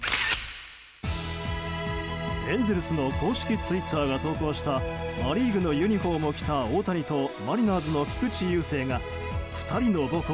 エンゼルスの公式ツイッターが投稿したア・リーグのユニホームを着た大谷とマリナーズの菊池雄星が２人の母校